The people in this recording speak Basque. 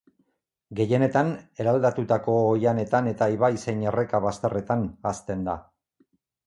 Gehienetan eraldatutako oihanetan eta ibai zein erreka bazterretan hazten da.